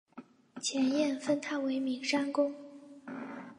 前燕封他为岷山公。